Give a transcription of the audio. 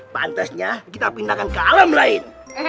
pantasnya kita pindahkan ke alam lain